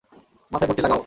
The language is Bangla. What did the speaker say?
মাথায় পট্টি লাগাও।